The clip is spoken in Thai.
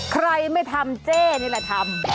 ใครไม่ทำเจ๊นี่แหละทำ